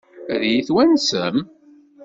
Ad iyi-twansem?